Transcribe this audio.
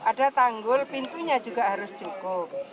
ada tanggul pintunya juga harus cukup